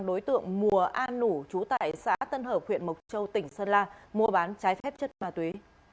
đối tượng mùa an nủ trú tại xã tân hợp huyện mộc châu tỉnh sơn la mua bán trái phép chất ma túy